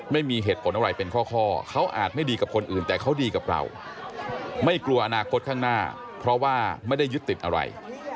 ไม่มีเหตุผลอะไรเป็นข้อเขาอาจไม่ดีกับคนอื่นแต่เขาดีกับเราไม่กลัวอนาคตข้างหน้าเพราะว่าไม่ได้ยึดติดอะไร